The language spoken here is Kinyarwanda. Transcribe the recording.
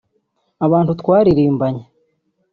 abantu twaririmbanye